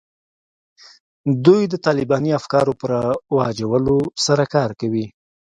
دوی د طالباني افکارو په رواجولو سره کار کوي